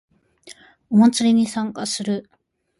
お祭りに参加する